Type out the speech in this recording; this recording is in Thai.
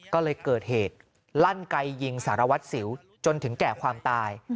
ก็เลยเกิดเหตุลั่นไกยิงสารวัตรสิวจนถึงแก่ความตาย